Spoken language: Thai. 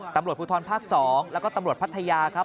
ตำรวจภูทรภาค๒แล้วก็ตำรวจพัทยาครับ